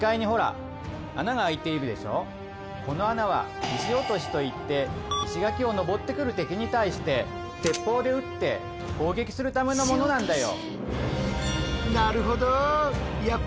この穴は「石落とし」といって石垣を登ってくる敵に対して鉄砲で撃って攻撃するためのものなんだよ。